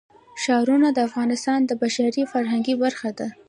ښارونه د افغانستان د بشري فرهنګ برخه ده.